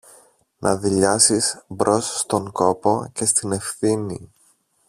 να δειλιάσεις μπρος στον κόπο και στην ευθύνη